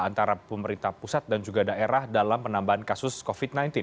antara pemerintah pusat dan juga daerah dalam penambahan kasus covid sembilan belas